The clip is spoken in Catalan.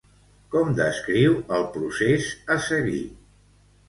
Com descriu el procés a seguir?